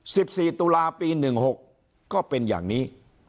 สิบสี่ตุลาปีหนึ่งหกก็เป็นอย่างนี้